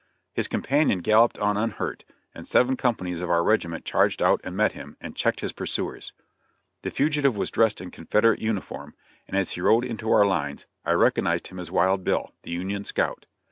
His companion galloped on unhurt, and seven companies of our regiment charged out and met him, and checked his pursuers. The fugitive was dressed in Confederate uniform, and as he rode into our lines I recognized him as Wild Bill, the Union scout.